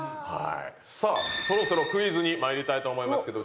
さあそろそろクイズにまいりたいと思いますけど。